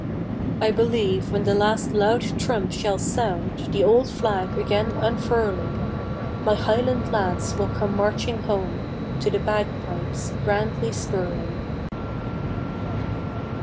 I believe when the last loud trump shall sound, The old flag again unfurling, My highland lads will come marching home To the bagpipes grandly skirling.